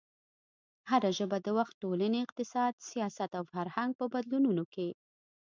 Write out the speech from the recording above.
هره ژبه د وخت، ټولنې، اقتصاد، سیاست او فرهنګ په بدلونونو کې